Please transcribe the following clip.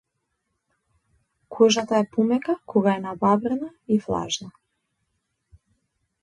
Кожата е помека кога е набабрена и влажна.